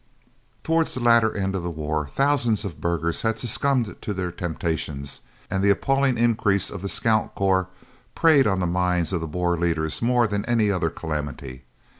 Towards the latter end of the war thousands of burghers had succumbed to their temptations, and the appalling increase of the Scouts Corps preyed on the minds of the Boer leaders more than any other calamity.